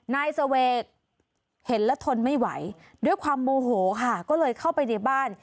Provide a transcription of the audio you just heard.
นายเสวกเห็นแล้วทนไม่ไหวด้วยความโมโหค่ะก็เลยเข้าไปในบ้าน